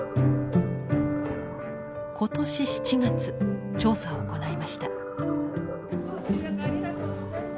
今年７月調査を行いました。